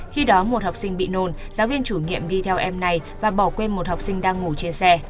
khi đó một học sinh bị nôn giáo viên chủ nhiệm đi theo em này và bỏ quên một học sinh đang ngủ trên xe